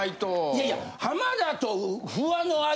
いやいや。